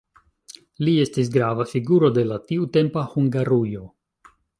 Li estis grava figuro de la tiutempa Hungarujo.